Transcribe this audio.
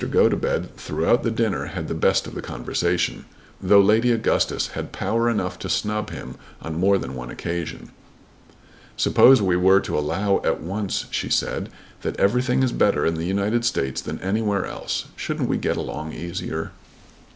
Gotobed throughout the dinner had the best of the conversation, though Lady Augustus had power enough to snub him on more than one occasion. "Suppose we were to allow at once," she said, "that everything is better in the United States than anywhere else, shouldn't we get along easier?"